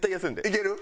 いける？